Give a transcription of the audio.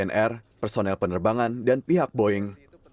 lion air personel penerbangan dan pihak boeing